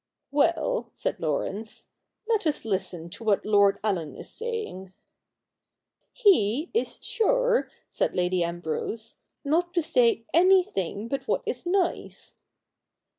'Well,' said Laurence, 'let us listen to what Lord Allen is saying.' ' He is sure,' said Lady Ambrose, ' not to say anything but what is nice.'